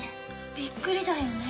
びっくりだよね。